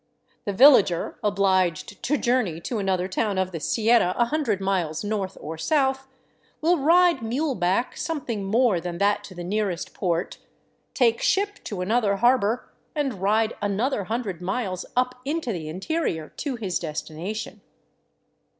The villager obliged to journey to an other town of the Sierra a hundred miles north or south will ride mule back something more than that to the nearest port, take ship to an other harbor, and ride another hundred miles up into the interior to his destination.